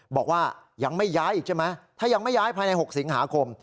บอกว่ายังไม่ย้ายอีกใช่ไหมถ้ายังไม่ย้ายภายใน๖สิงหาคม